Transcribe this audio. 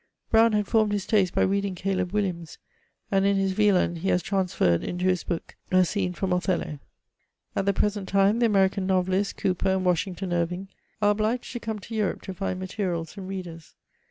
Brown had formed his taste by reading " Caleb Williams," and in his " Wieland," he has trans ferred mto his book a scene &x)m *^ Othello." At the present time, the American novelists. Cooper and Wash ington Irving, are obliged to come to Europe to find materials and readers.